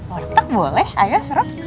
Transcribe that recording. warteg boleh ayo seru